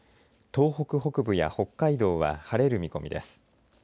東北北部や北海道は晴れる見込みです。